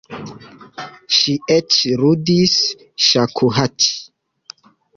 Ŝi eĉ ludis ŝakuhaĉi.